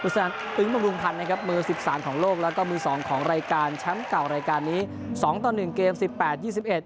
สองต่อหนึ่งเกมสี่แปดยี่สิบเอ็ด